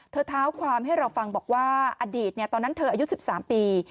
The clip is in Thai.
เท้าความให้เราฟังบอกว่าอดีตตอนนั้นเธออายุ๑๓ปี